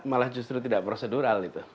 malah justru tidak prosedural